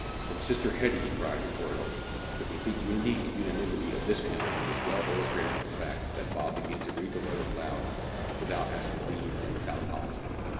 "From sister Hetty," he cried, and tore it open. The complete unity and unanimity of this family was well illustrated by the fact, that Bob began to read the letter aloud without asking leave and without apology.